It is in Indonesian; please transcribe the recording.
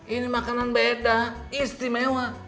ini makanan beda istimewa